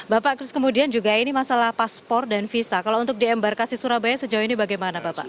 bapak terus kemudian juga ini masalah paspor dan visa kalau untuk di embarkasi surabaya sejauh ini bagaimana bapak